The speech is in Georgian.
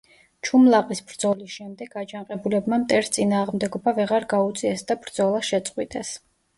ჩუმლაყის ბრძოლის შემდეგ აჯანყებულებმა მტერს წინააღმდეგობა ვეღარ გაუწიეს და ბრძოლა შეწყვიტეს.